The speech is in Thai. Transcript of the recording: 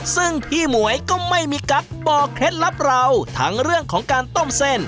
ซึ่งพี่หมวยก็ไม่มีกั๊กบอกเคล็ดลับเราทั้งเรื่องของการต้มเส้น